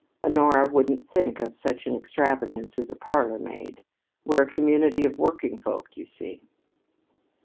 Honora wouldn't think of such an extravagance as a parlor maid. We're a community of working folk, you see."